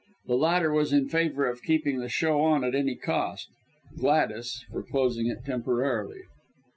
The latter was in favour of keeping the show on at any cost; Gladys, for closing it temporarily.